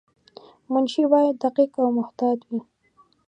منشي باید دقیق او محتاط وای.